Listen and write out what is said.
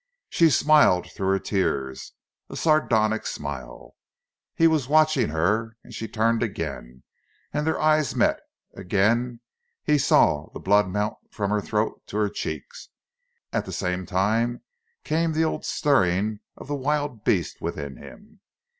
She smiled through her tears, a sardonic smile. He was watching her, and she turned again, and their eyes met; again he saw the blood mount from her throat to her cheeks. At the same time came the old stirring of the wild beasts within him.